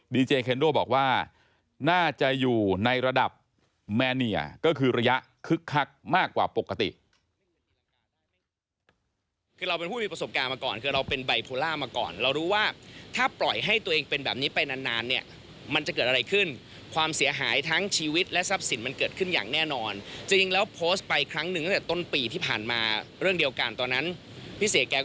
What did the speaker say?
เจเคนโดบอกว่าน่าจะอยู่ในระดับแมเนียก็คือระยะคึกคักมากกว่าปกติ